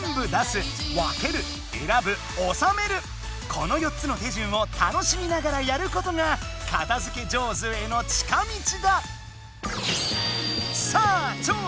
この４つの手順を楽しみながらやることが片づけ上手への近道だ！